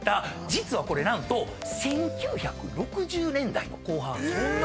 実はこれ何と１９６０年代の後半。